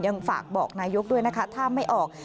ยังฝากบอกนายกด้วยนะคะถ้าไม่ออก